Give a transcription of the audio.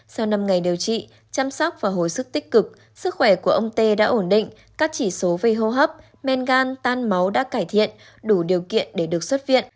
sau năm ngày điều trị chăm sóc và hồi sức tích cực sức khỏe của ông tê đã ổn định các chỉ số về hô hấp men gan tan máu đã cải thiện đủ điều kiện để được xuất viện